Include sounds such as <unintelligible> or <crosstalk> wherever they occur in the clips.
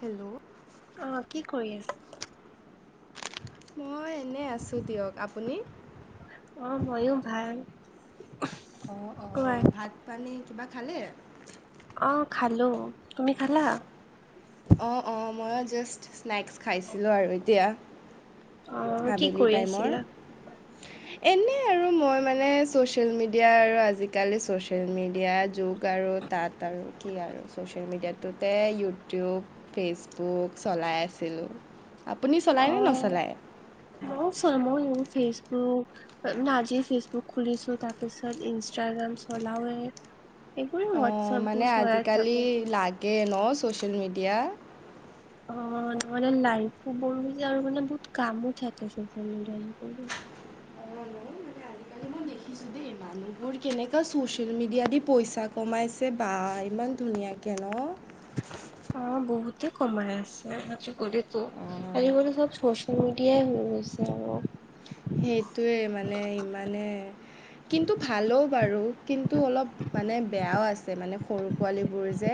Hello অহ', কি কৰি আছা? মই এনেই আছোঁ দিয়ক, আপুনি? অহ', ময়ো ভাল। অহ, অহ, কোৱা ভাত পানী কিবা খালে? অহ', খালো, তুমি খালা? অহ, অহ ময়ো জাষ্ট স্নেক্স খাইছিলোঁ আৰু এতিয়া। অ কি আবেলি কৰি টাইমৰ। আছিলা - এনেই আৰু মই মানে ছ'চিয়েল মিডিয়া আৰু আজিকালি ছ'চিয়েল মিডিয়া যুগ আৰু তাত আৰু কি আৰু, ছ'চিয়েল মিডিয়াটোতে ইউটিউব ফেচবুক চলাই আছিলোঁ, আপুনি চলায়নে নচলায়? ময়ো চাওঁ, ময়ো ফেচবুক আজি ফেচবুক খুলিছোঁ, তাৰ পিছত ইনষ্টাগ্ৰাম চলাওৱে। অহ, মানে থাকো আজিকালি লাগে ন', ছ'চিয়েল মিডিয়া। অ', লাইফ <unintelligible> বহুত মানে কামো থাকে <unintelligible> <inaudible> মানুবোৰ কেনেকুৱা চ'ছিয়েল মিডিয়া দি পইচা কমাইছে বা ইমান ধুনীয়াকৈ ন'। <inaudible> অহ', বহুতে কমাই আছে, <unintelligible> আজিকালিটো অঁ, আজিকালি চব চমকীয়াই <unintelligible> হৈ গৈছে আৰু। সেইটোৱে মানে ইমানে কিন্তু ভালো বাৰু, কিন্তু অলপ মানে বেয়াও আছে, মানে সৰু পোৱালীবোৰ যে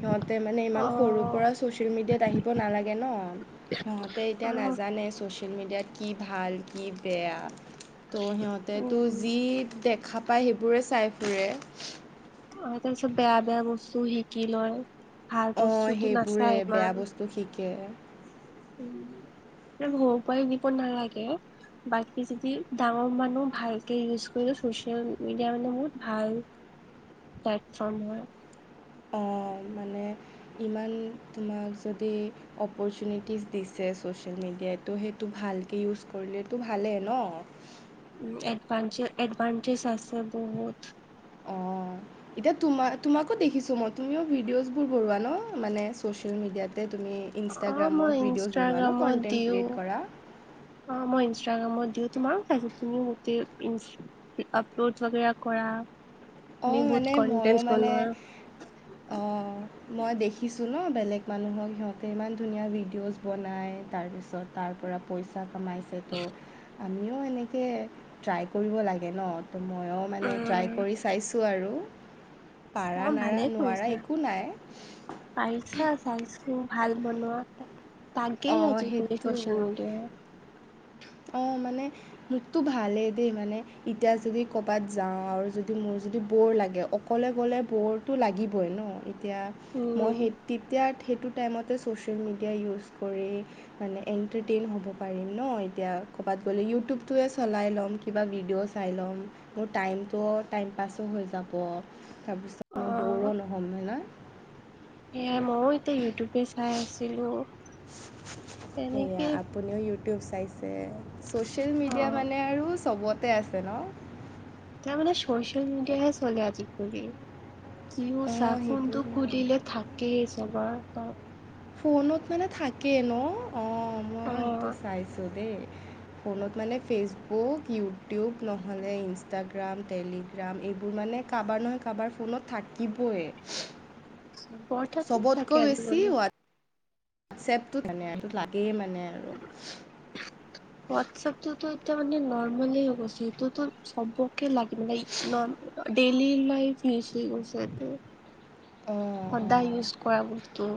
সিহঁতে মানে অ ইমান সৰুৰ পৰা ছ'চিয়েল মিডিয়াত আহিব নালাগে ন'। সিহঁতে অ এতিয়া নাজানে, ছ'চিয়েল মিডিয়াত কি ভাল, কি বেয়া। ত' সিহঁতেটো উম যি দেখা পায়, সেইবোৰে চাই ফুৰে। আৰু তাৰপিছত বেয়া বেয়া বস্তু শিকি লয়, ভাল বস্তুতো নাচায় ইমান। ত' শিকে। উম, ইমান সৰুৰ পৰাই দিব নালাগে। বাকী যদি, ডাঙৰ মানুহ ভালকে ইউজ কৰিলে, ছ'চিয়েল মিডিয়া মানে বহুত ভাল। <inaudible> প্লেটফৰ্ম হয়। অহ', মানে ইমান তোমাক যদি অপৰচুনিটিছ দিছে ছ'চিয়েল মিডিয়াই, ত' সেইটো ভালকৈ ইউজ কৰিলেতো ভালেই ন'। উম, এডভানটেজ, এডভানটেজ আছে বহুত। অঁ এতিয়া তোমা তোমাকো দেখিছো মই তুমিও ভিডিঅছ' বোৰ ৱনোৱা মানে চচিয়েল মিডিয়াতে তুমি অ মই ইনষ্টাগ্ৰামত ভিডিঅ'জ বনোৱা ন ইনষ্টাগ্ৰামত কনণ্টেণ্ট ক্ৰিয়েট কৰা অঁ মই ইনষ্টাগ্ৰামত দিওঁ তোমাকো পাইছো তুমি মোতেই ইনছ আপলোড বাগেৰা অঁ তুমি বহুত কনটেন্টছ বনোৱা অ মই দেখিছো ন বেলেগ মানুহক সিহঁতে ইমান ধুনীয়া ভিডিঅ'জ বনাই তাৰপিছত তাৰ পৰা পইচা কমাইছে তো আমিও এনেকে ট্ৰাই কৰিব লাগে ন ত মই মানে ট্ৰই কৰি উম চ চাইছোঁ আৰু পাৰা অ নাৰা ভালে নোৱাৰা কৰিছা। একো নাই পাৰিছা চাইছো ভাল বনোৱা তাকে অঁ আজিকালি চচিয়েল মিডিয়া অ মানে মোকতো ভালেই দেই মানে এতিয়া যদি কৰবাত যাওঁ আৰু যদি মোৰ যদি বৰ লাগে অকলে গ'লে বৰটো লাগিবই ন এতিয়া মই উম সেই তেতিয়া সেইটোত টাইমতে ছ'চিয়েল মিডিয়া ইউজ কৰি মানে এণ্টাৰটেইন হ'ব পাৰিম ন এতিয়া ক'ৰবাত গ'লে ইউটিউবটোৱে চলাই ল'ম কিবা ভিডিঅ' চাই ল'ম মোৰ টাইমটো টাইম পাছো হৈ যাব অ তাৰপিছত বৰো নহ'ম না এ মইও এতিয়া ইউটিউবে চাই আছিলো সেয়া তেনেকে আপুনিও ইউটিউব চাইছে ছ'চিয়েল অ মিডিয়া মানে আৰু চবতে আছে ন? তাৰ মানে ছ'চিয়েল মিডিয়াহে চলে আজিকালি যিও চা অঁ ফোনটো সেইটোৱে খুলিলে থাকেই চাবা ফোনত মানে থাকেই ন অ অ মই সেইটো চাইছো দেই ফোনত মানে ফেচবুক ইউটিউব নহ'লে ইনষ্টাগ্ৰাম টেলি গ্ৰাম এইবোৰ মানে কাৰোবাৰ নহয় কাৰোবাৰ ফোনত থাকিবই বহুততে থাকে আজিকালি চেপটো মানে লাগেই মানে আৰু হোৱাটছএপটোতো এতিয়া মানে নৰ্মেলে হৈ গৈছে এইটোতো চবক লাগে মানে ডেইলি লাইফ হৈ গৈছে এটো অঁ সদায় অঁ ইউজ কৰা বস্তু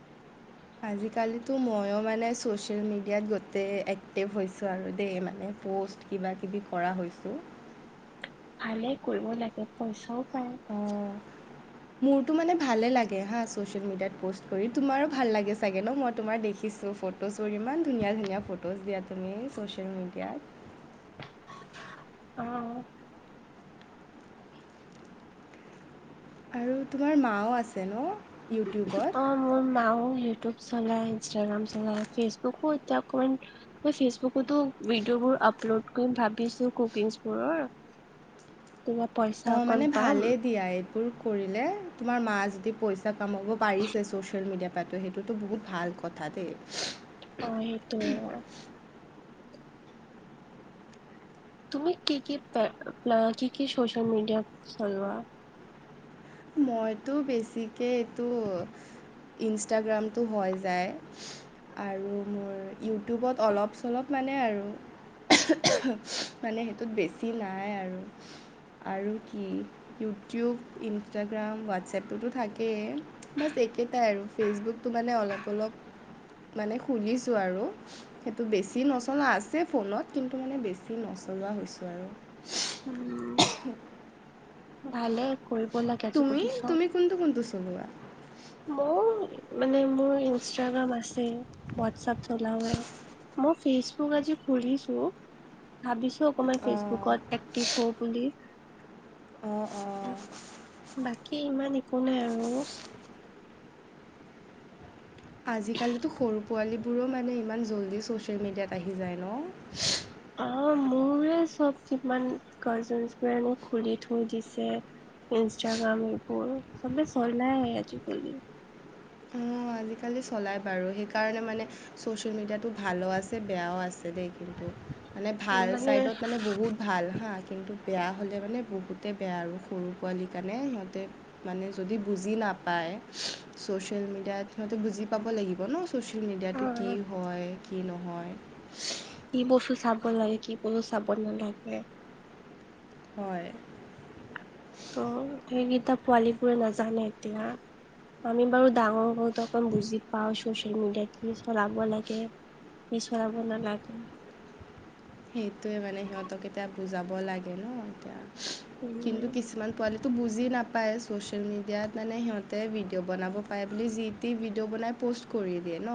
<inaudible> আজিকালিতো ময়ো মানে ছ'চিয়েল মিডিয়াত গোটেই এক্টিভ হৈছোঁ আৰু দেই মানে প'ষ্ট কিবা কিবি কৰা হৈছোঁ ভালে কৰিব লাগে পইচাও পায় অঁ মোৰতো মানে ভালে লাগে হা চ'চেইল মেডিয়াত পষ্ট কৰি তোমাৰো ভাল লাগে চাগে ন মই তোমাৰ দে দেখিছোঁ ফটোজবোৰ ইমান ধুনীয়া ধুনীয়া ফটোজ দিয়া তুমি ছ'চিয়েল মিডিয়াত অ আৰু তোমাৰ মাও আছে ন অ ইউটিউবত মোৰ মাও ইউটিউব চলায় ইনষ্টাগ্ৰাম চলায় ফেচবুকো এতিয়া মই ফেচবুকতো ভিডিঅ'বোৰ আপলোড কৰিম ভাবিছো কুকিংছবোৰৰ কিবা পইচা অঁ মানে অকন পাম ভালেই দিয়া কৰিলে তোমাৰ মা যদি পইচা কামাব পাৰিছে ছচিয়েল মিডিয়াৰ পৰাতো সেইটোতো বহুত ভাল কথা দেই। অ সেইটো। তুমি কি কি প কি কি চ'চিয়েল মিডিয়া চলোৱা? মইতো বেছিকে এইটো ইনষ্টাগ্ৰামটো হৈ যায় আৰু মোৰ ইউটিউবত অলপ চলপ মানে আৰু। মানে সেইটোত বেছি নাই আৰু। আৰু কি ইউটিউব, ইনষ্টাগ্ৰাম, হোৱাটছএপটোতো থাকেই বাছ একেইটাই আৰু ফেচবুকটো মানে অলপ অলপ মানে খুলিছো আৰু। সেইটো বেছি নচলাও আছে ফোনত কিন্তু মানে বেছি নচলোৱা হৈছো আৰু। উম ভালে কৰিব লাগে আজি তুমি <unintelligible> তুমি কোনটো কোনটো চলোৱা? মোৰ মানে মোৰ ইনষ্টাগ্ৰাম আছে হোৱাটছআপ চলাওঁৱে মই ফেচবুক আজি খুলিছো ভাবিছো ভাবিছো অকমান অঁ ফেচবুকত এক্টিভ হওঁ বুলি। অঁ অঁ বাকী ইমান একো নাই আৰু। আজিকালিতো সৰু পোৱালিবোৰো মানে ইমান জল্দি ছ'চিয়েল মিডিয়াত আহি যায় ন। অহ মোৰে চব কিমান কাজিনবোৰ এনে খুলি থৈ দিছে। ইনষ্টাগ্ৰাম এইবোৰ চবে চলাই আজিকালি। উম আজিকালি চলাই বাৰু সেইকাৰণে মানে ছ'চিয়েল মিডিয়াটো ভালো আছে বেয়াও আছে দেই। কিন্তু মানে ভাল চাইডত মানে বহুত ভাল হাঁ, কিন্তু বেয়া হ'লে মানে বহুতে বেয়া আৰু সৰু পোৱালীৰ কাৰণে সিহঁতে মানে যদি বুজি নাপায় চোচিয়েল ছ'চিয়েল মিডিয়াতো সিহঁতে বুজি পাব লাগিব ন ছ'চিয়েল মিডিয়াটো কি অ' হয় কি নহয়। কি বস্তু চাব লাগে কি বস্তু চাব নালাগে। হয়। তো সেইকেইটা পোৱালীবোৰে নাজানে এতিয়া। আমি বাৰু ডাঙৰ বহুতো অকণ বুজি পাওঁ চচিয়েল মিডিয়াত কি চলাব লাগে কি চলাব নালাগে। সেইটোৱে মানে সিহঁতক এতিয়া বুজাব লাগে ন এতিয়া কিন্তু উম, কিছুমান পোৱালি বুজি নাপায় ছচিয়েল মিডিয়াত মানে সিহঁতে ভিডিঅ' বনাব পাৰে বুলি যি টি ভিডিঅ' বনাই পোষ্ট কৰি দিয়ে ন,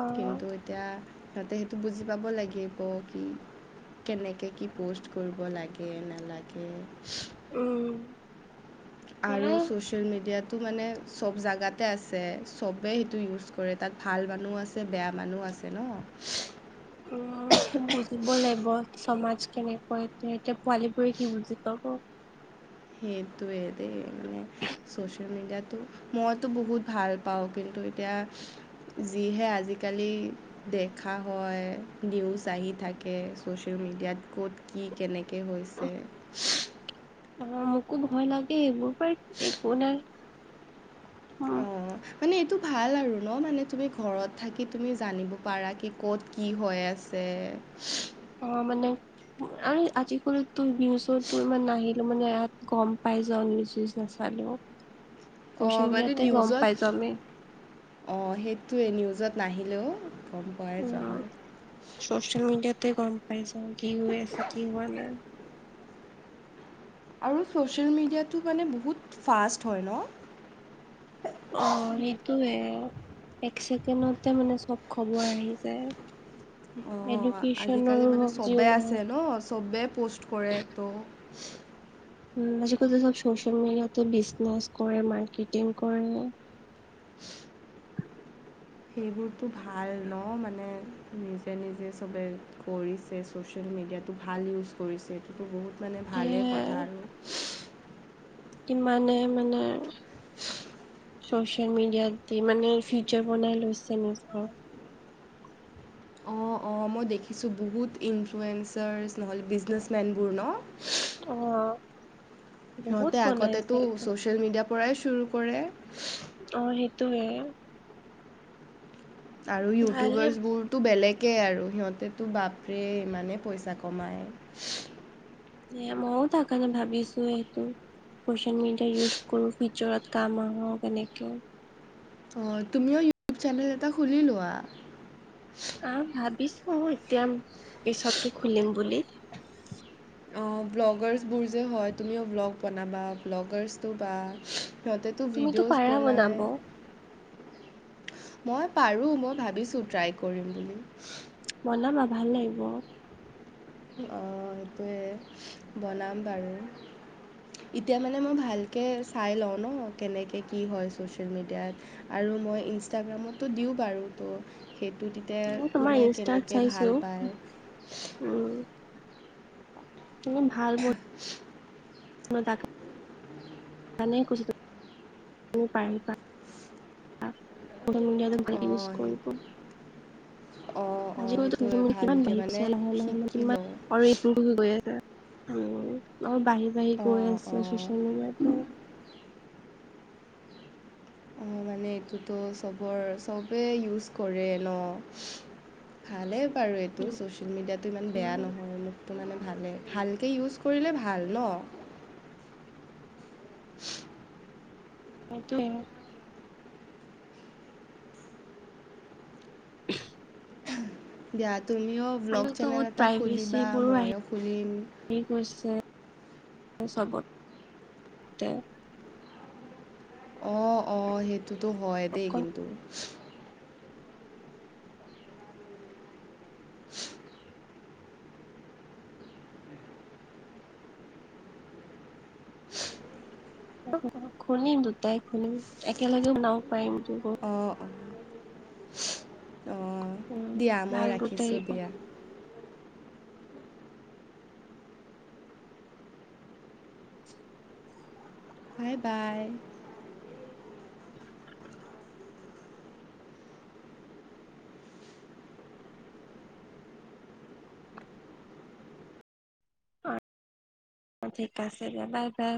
অ' কিন্তু এতিয়া সিহঁতে সেইটো বুজি পাব লাগিব। কেনেকে কি পো'ষ্ট কৰিব লাগে নালাগে। উম। আৰু চোচি ছ'চিয়েল মিডিয়াটো মানে চব জাগাতে আছে চবে সেইটো ইউজ কৰে তাতে ভাল মানুহ আছে বেয়া আছে ন। উম। সেইটো বুজিব লাগিব সমাজ কেনেকৈ এতিয়া পোৱালী বোৰে কি বুজি পাব। সেইটোৱে দেই মানে ছচিয়েল মিডিয়াতো মইতো বহুত ভাল পাওঁ কিন্তু এতিয়া যিহে আজিকালি দেখা হয়, নিউজ আহি থাকে ছ'চিয়েল মিডিয়াত ক'ত কি কেনেকে হৈছে? অহ, মোকো ভয় লাগে এইবোৰৰ পৰাই, একো নাই। অহ। মানে এইটো ভাল আৰু ন, মানে তুমি ঘৰত থাকি তুমি জানিব পাৰা কি, ক'ত কি হৈ আছে। <unintelligible> অহ, মানে আই, আজিকালি তোৰ নিউজত তো ইমান নাহিলে মানে ইয়াত গ'ম পাই যাও নিউজ নাচালেও। অহ, চচিয়েল মানে মিডিয়াতে গম নিউজত পাই যাওঁ আমি অ, সেইটোৱে নিউজত নাহিলেও গ'ম পোৱাই যোৱা উম হয়। চচিয়েল মিডিয়াতে গম পাই যায়। কি হৈ আছে কি হোৱা নাই। আৰু ছ'চিয়েল মিডিয়াটো মানে বহুত ফাষ্ট হয় ন? অ, সেইটোয়ে এক ছেকেণ্ডতে মানে, চব খবৰ আহি যায়। অ' আজিকালি এডুকেশ্যনৰো মানে হওক যিও চবে নহওক আছে ন, চবে পষ্ট কৰে, তো উম, আজিকালি চোব ছচিয়েল মিডিয়াতে বিজনেছ কৰে মাৰ্কেটিং কৰে। <unintelligible> সেইবোৰতো ভাল ন। মানে নিজে- নিজে চবে কৰিছে। যে ছ'চিয়েল মিডিয়াটো ভাল ইউজ কৰিছে সেইটোতো বহুত মানে ভালেই সেয়াই কথা আৰু। কিমানে মানে চচিয়েল মিডিয়াত দি মানে ফিউচাৰ বনাই লৈছে নিজৰ। অ', অ' মই দেখিছোঁ বহুত ইনফ্লুৱেঞ্চাৰছ নহ'লে বিজনেছমেনবোৰ ন। অ। বহুত সিহঁতে আগতেতো বনাইছে ছ'চিয়েল মিডিয়াৰ পৰাই চুৰু কৰে। অ, সেইটোয়ে। আৰু ভালে ইউটিউবাৰ্চবোৰ তো বেলেগেই আৰু সিহঁতেতো বাপৰে ইমানেই পইচা কমায়। এ মইয়ো তাৰকৰণে ভাবিছোঁ, এইটো। ছচিয়েল মিডিয়া ইউজ কৰো, ফিউচাৰত কাম আহক এনেকে। অ, তুমিও ইউটিউব চেনেল এটা খুলি লোৱা। আহ, ভাবিছোঁ এতিয়া পিছতকে খুলিম বুলি। ব্লগাৰছবোৰ যে হয়, তুমিও ব্লগ বনাবা ব্লগাৰছটো বা সিহঁতেটো তুমিতো ভিডিঅ'জ পাৰা বনায়। বনাব। মই পাৰো, মই ভাবিছোঁ ট্ৰাই কৰিম বুলি। বনাবা ভাল লাগিব। অ' সেইটোৱে বনাম বাৰু। এতিয়া মানে মই ভালকে চাই লওঁ ন, কেনেকে কি হয় ছচিয়েল মিডিয়াত আৰু মই ইনষ্টাগ্ৰামতো দিওঁ বাৰু তো সেইটো তেতিয়া মই তোমাৰ কোনে ইনষ্টাত কেনেকে চাইছো ভাল পায় উম। তুমি ভাল <inaudible> <unintelligible> <unintelligible> <unintelligible> ইউজ অঁ সেই কৰিব। অঁ অঁ সেইটোৱে <unintelligible> কিমান ভালকৈ বাঢ়ি মানে গৈছে লাহে লাহে শিকি কিমান লওঁ আৰু এইটো গৈ আছে, উম বাঢ়ি গৈ অঁ আছে, অঁ চচিয়েল মিডিয়াতো। মানে এইটোতো চবৰ, চবেই ইউজ কৰে ন। ভালেই বাৰু এইটো, চচিয়েল মিডিয়াটো ইমান বেয়া নহয়, মোকতো মানে ভালেই ভালকে ইউজ কৰিলে ভাল ন। <unintelligible> সেইটোৱে। <unintelligible> দিয়া তুমিও ব্লগ আজিকালিতো চেনেল বহুত এটা খুলিবা, ময়ো খুলিম। ঠিক আছে <unintelligible> অ', অ' সেইটোতো হয় দেই কিন্তু। খুলিম দুটাই খুলিম, একেলগে বনাব পাৰিম বস্তুবোৰ। অঁ অঁ অঁ উম দিয়া, ভাল মই গোটেই ৰাখিছোঁ দিয়া। Bye bye. <inaudible> অ' অ' ঠিক আছে দিয়া, বাই বাই।